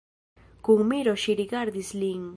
Kun miro ŝi rigardis lin.